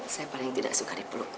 saya paling tidak suka dipeluk